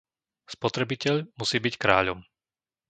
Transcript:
Spotrebiteľ musí byť kráľom.